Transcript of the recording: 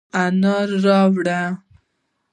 انار راوړه،